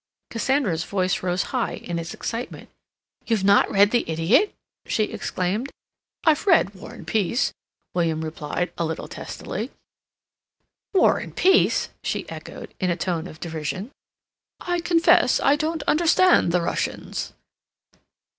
Cassandra's voice rose high in its excitement. "You've not read 'The Idiot'!" she exclaimed. "I've read 'War and Peace'," William replied, a little testily. "War and Peace!" she echoed, in a tone of derision. "I confess I don't understand the Russians."